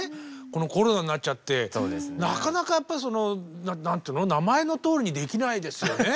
このコロナになっちゃってなかなかやっぱりその名前のとおりにできないですよね。